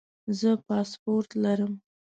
زه پاسپورټ لرم